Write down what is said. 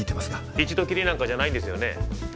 一度きりなんかじゃないんですよね？